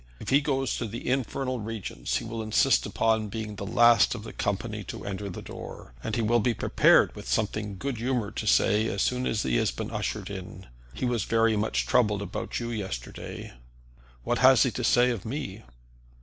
If he goes to the infernal regions he will insist upon being the last of the company to enter the door. And he will be prepared with something good humored to say as soon as he has been ushered in. He was very much troubled about you yesterday." "What has he to say of me?"